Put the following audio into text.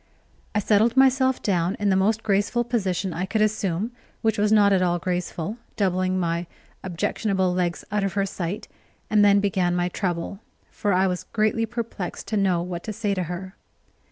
I settled myself down in the most graceful position I could assume, which was not at all graceful, doubling my objectionable legs out of her sight; and then began my trouble, for I was greatly perplexed to know what to say to her.